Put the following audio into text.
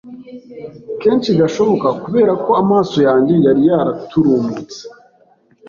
kenshi gashoboka kubera ko amaso yanjye yari yaraturumbutse